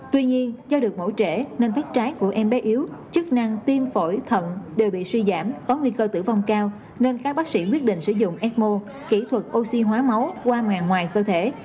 tuy nhiên do được mẫu trễ nên phát trái của em bé yếu chức năng tiêm phổi thận đều bị suy giảm có nguy cơ tử vong cao nên các bác sĩ quyết định sử dụng esmo kỹ thuật oxy hóa máu qua ngoài ngoài cơ thể